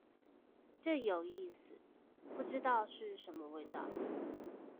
這有意思，不知道是什麼味道